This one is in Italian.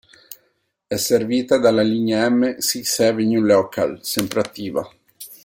È servita dalla linea M Sixth Avenue Local, sempre attiva.